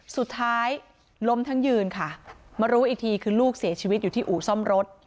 สุดท้ายล้มทั้งยืนค่ะมารู้อีกทีคือลูกเสียชีวิตอยู่ที่อู่ซ่อมรถ